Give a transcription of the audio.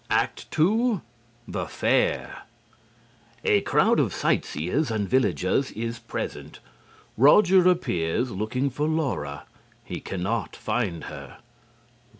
ACT 2 The Fair. A crowd of sightseers and villagers is present. Roger appears, looking for Laura. He can not find her.